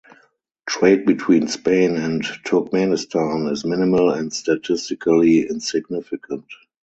Trade between Spain and Turkmenistan is minimal and statistically insignificant.